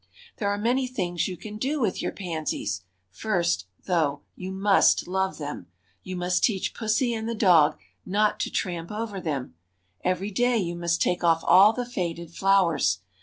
There are many things you can do with your pansies. First, though, you must love them. You must teach pussy and the dog not to tramp over them. Every day you must take off all the faded flowers.